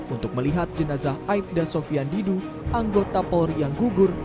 untuk melihat jenazah aibda sofian didu anggota polri yang gugur